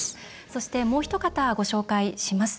そして、もうひと方ご紹介します。